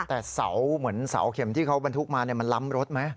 แต่เสาเหมือนเสาเข็มที่เขาบรรทุกมามันล้ำรถไหม